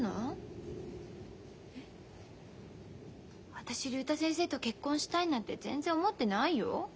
私竜太先生と結婚したいなんて全然思ってないよ。